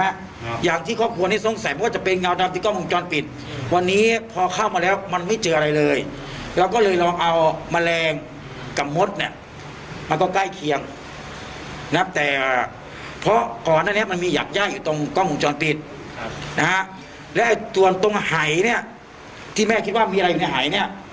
และตัวตรงไห่เนี่ยที่แม่คิดว่ามีอะไรอยู่ในไห่เนี่ย